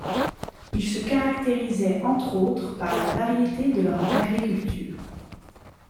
Ils se caractérisaient entre autres par la variété de leur agriculture.